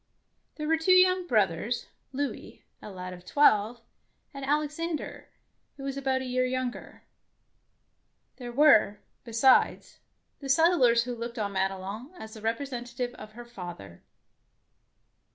There were two young brothers, — Louis, a lad of twelve, and Alexander, who was about a year younger. There were, besides, the set tlers who looked on Madelon as the representative of her father.